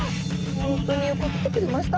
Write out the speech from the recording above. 本当によく来てくれました。